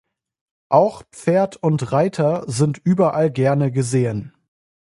Auch Pferd und Reiter sind überall gerne gesehen.